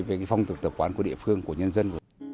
về phong tục tập quán của địa phương của nhân dân